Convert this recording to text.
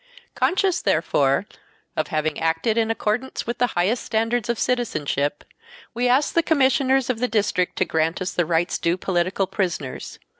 Conscious, therefore, of having acted in accordance with the highest standards of citizenship, we ask the Commissioners of the District to grant us the rights due political prisoners.